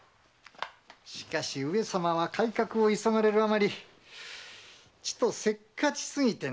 しかし上様は改革を急がれるあまりちとせっかち過ぎてなあ。